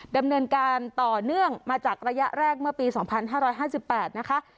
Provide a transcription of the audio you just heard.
ดำเนินการต่อเนื่องมาจากระยะแรกเมื่อปีสองพันห้าร้อยห้าจิบแปดนะคะ